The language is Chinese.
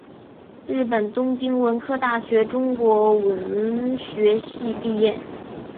日本东京文科大学中国文学系毕业。